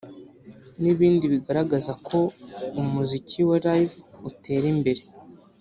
n'ibindi bigaragaza ko umuziki wa Live utera imbere